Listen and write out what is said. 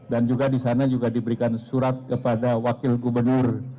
dan juga disana juga diberikan surat kepada wakil gubernur